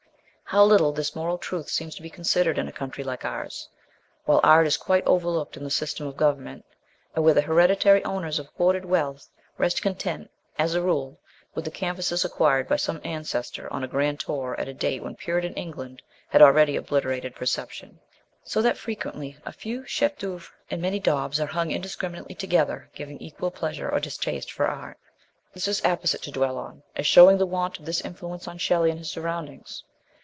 How little this moral truth seems to be considered in a country like ours, where art is quite overlooked in the system of government, and where the hereditary owners of hoarded wealth rest content, as a rule, with the canvases acquired by some ancestor on a grand tour at a date when Puritan England had already obliterated perception ; so that frequently a few chefs d'ceuvre and many daubs are hung indis criminately together, giving equal pleasure or distaste for art. This is apposite to dwell on as showing the want of this influence on Shelley and his surroundings.